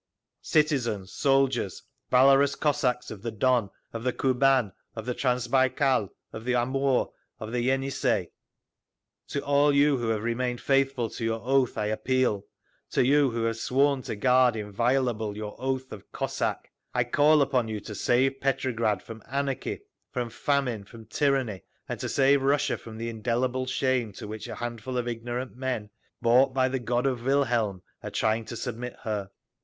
Citizens, soldiers, valorous Cossacks of the Don, of the Kuban, of the Transbaikal, of the Amur, of the Yenissei, to all you who have remained faithful to your oath I appeal; to you who have sworn to guard inviolable your oath of Cossack—I call upon you to save Petrograd from anarchy, from famine, from tyranny, and to save Russia from the indelible shame to which a handful of ignorant men, bought by the gold of Wilhelm, are trying to submit her.